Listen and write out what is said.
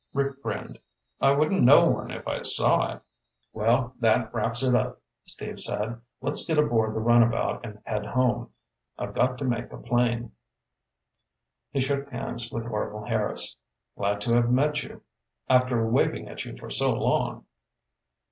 Rick grinned. "I wouldn't know one if I saw it." "Well, that wraps it up," Steve said. "Let's get aboard the runabout and head home. I've got to make a plane." He shook hands with Orvil Harris. "Glad to have met you after waving at you for so long."